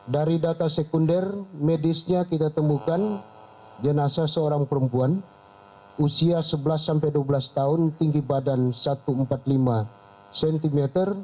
dari data sekunder medisnya kita temukan jenazah seorang perempuan usia sebelas sampai dua belas tahun tinggi badan satu ratus empat puluh lima cm